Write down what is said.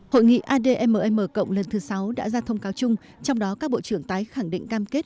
hội nghị admm cộng lần thứ sáu đã ra thông cáo chung trong đó các bộ trưởng tái khẳng định cam kết